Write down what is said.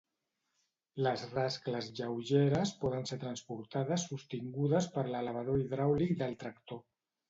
Les rascles lleugeres poden ser transportades sostingudes per l'elevador hidràulic del tractor.